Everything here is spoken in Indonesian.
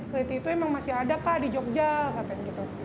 leti itu emang masih ada kah di jogja katanya gitu